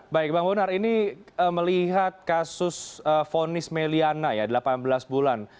baik bang bonar ini melihat kasus fonis meliana ya delapan belas bulan